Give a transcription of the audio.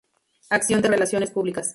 Acción de relaciones públicas.